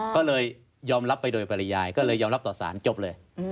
ก็เลยยอมรับไปโดยปริยายก็เลยยอมรับต่อสารจบเลย